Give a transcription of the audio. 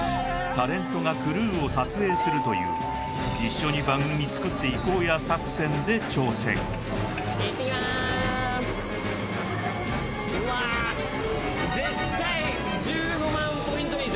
タレントがクルーを撮影するという一緒に番組作っていこうや作戦で挑戦うわ１５万